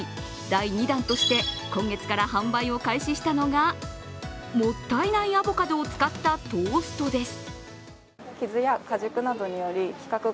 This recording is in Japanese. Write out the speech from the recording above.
第２弾として今月から販売を開始したのがもったいないアボカドを使ったトーストです。